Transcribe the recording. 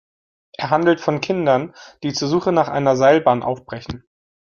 Er handelt von Kindern, die zur Suche nach einer Seilbahn aufbrechen.